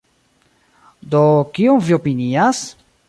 Do kion vi opinias?